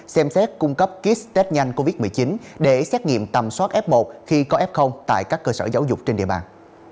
xem xét cung cấp kit test nhanh covid một mươi chín để xét nghiệm tầm soát f một khi có f tại các cơ sở giáo dục trên địa bàn